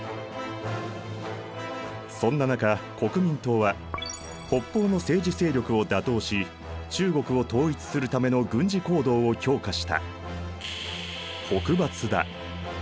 そんな中国民党は北方の政治勢力を打倒し中国を統一するための軍事行動を強化した。